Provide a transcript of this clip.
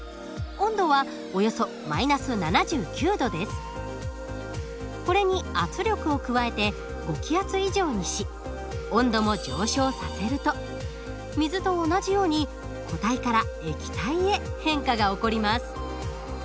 温度はこれに圧力を加えて５気圧以上にし温度も上昇させると水と同じように固体から液体へ変化が起こります。